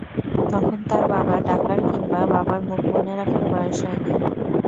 তখন তার বাবা ডাকার কিংবা বাবার মুখ মনে রাখার বয়স হয়নি।